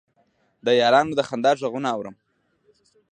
د یارانو د خندا غـــــــــــــــــږونه اورم